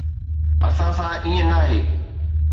اسان سان ائين ناهي.